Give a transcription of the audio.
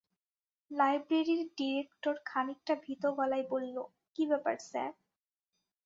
লাইব্রেরির ডিরেক্টর খানিকটা ভীত গলায় বলল, কি ব্যাপার স্যার?